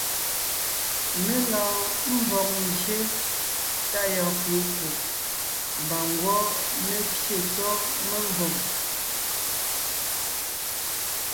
Mé lɔɔn ḿvɔg ḿbye tá yɔɔn fʉ̀ʼ ńkuʼ, mbà ńgwɔ́ mé pyé tsɔ́ memvòm.